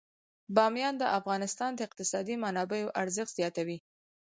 بامیان د افغانستان د اقتصادي منابعو ارزښت زیاتوي.